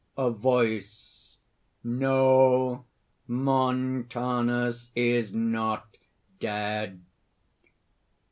A VOICE. "No: Montanus is not dead!"